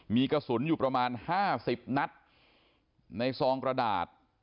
มีกระสุนอยู่ประมาณ๕๐นัดในซองกระดาษ